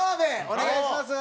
お願いします！